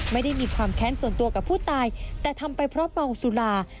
ไม่ได้มีความแค้นส่วนตัวกับผู้ตายแต่ทำไปเพราะเมาสุรา